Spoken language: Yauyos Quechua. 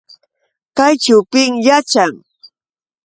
¿Kayćhu pim yaćhan?